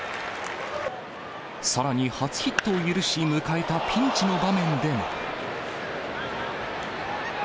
さらに初ヒットを許し、迎えたピンチの場面でも。